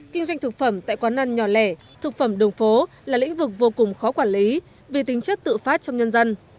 kinh doanh thực phẩm tại quán ăn nhỏ lẻ thực phẩm đường phố là lĩnh vực vô cùng khó quản lý vì tính chất tự phát trong nhân dân